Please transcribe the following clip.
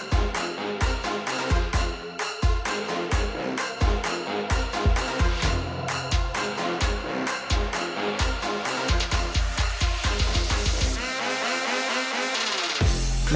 มันว่าอยู่ในทำลายแก่แก้นะ